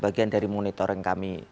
bagian dari monitoring kami